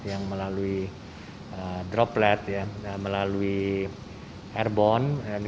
yang melalui droplet melalui airborne